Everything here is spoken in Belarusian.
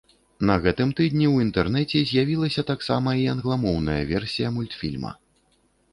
На гэтым тыдні ў інтэрнэце з'явілася таксама і англамоўная версія мультфільма.